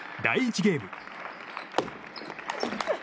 第１ゲーム。